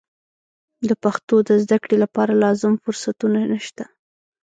د پښتو د زده کړې لپاره لازم فرصتونه نشته.